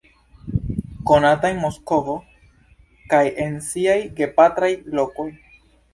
Konata en Moskvo kaj en siaj gepatraj lokoj.